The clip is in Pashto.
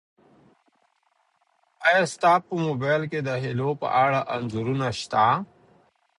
ایا ستا په موبایل کي د هیلو په اړه انځورونه سته؟